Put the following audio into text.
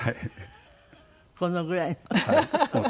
このぐらいの？